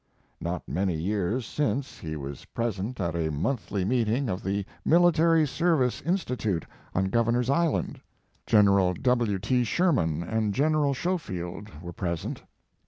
Not many years since he was present at a monthly His Life and Work. meeting of the Military Service Institute, on Governor s Island. General W. T. Sherman and General Schofield were present.